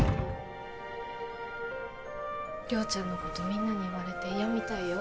亮ちゃんのことみんなに言われて嫌みたいよ